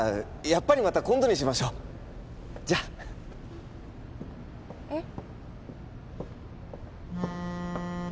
やっぱりまた今度にしましょうじゃあえっ？